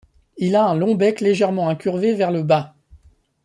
Il a un long bec légèrement incurvé vers le bas.